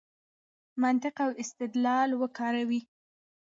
منطق او استدلال وکاروئ.